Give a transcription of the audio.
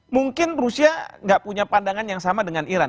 mungkin rusia nggak punya pandangan yang sama dengan iran